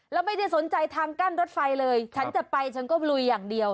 แล้วไม่ได้สนใจทางกั้นรถไฟเลยฉันจะไปฉันก็ลุยอย่างเดียว